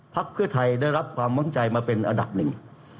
ภักดิ์เพื่อไทยได้รับความวางใจมาเป็นอัดับหนึ่ง